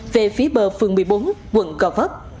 về phía bờ phường một mươi bốn quận gò vấp